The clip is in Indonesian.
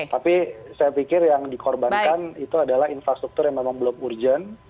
tapi saya pikir yang dikorbankan itu adalah infrastruktur yang memang belum urgent